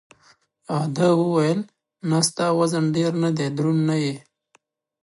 ده وویل: نه، ستا وزن ډېر نه دی، دروند نه یې.